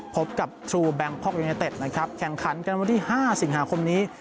พบกับทรูแบงคอกยูเนเต็ดนะครับแข่งขันกันวันที่๕สิงหาคมนี้